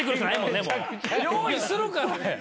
用意するからや。